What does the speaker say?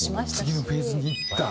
次のフェーズにいった。